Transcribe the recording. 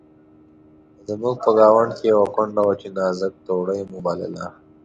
زموږ په ګاونډ کې یوه کونډه وه چې نازکه توړۍ مو بلله.